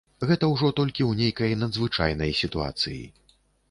Гэта ўжо толькі ў нейкай надзвычайнай сітуацыі.